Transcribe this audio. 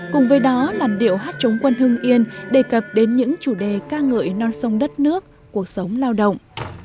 cùng với đó làn điệu hát chống quân hưng yên đề cập đến những chủ đề ca ngợi non sông đất nước cuộc sống lao động